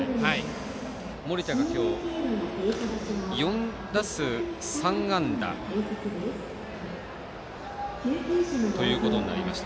森田が今日、４打数３安打ということになりました。